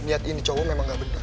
niat ini cowok memang tidak benar